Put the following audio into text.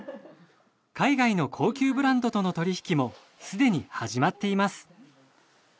海外の高級ブランドとの取引もすでに始まっています。